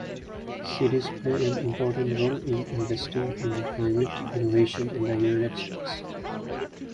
Cities play an important role in investing in climate innovation in the United States.